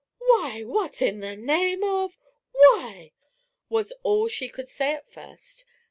"Why, what in the name of why!" was all she could say at first.